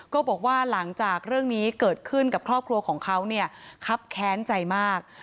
ก็บอกว่าหลังจากเรื่องนี้เกิดขึ้นกับครอบครัวของเขาเนี่ยครับแค้นใจมาก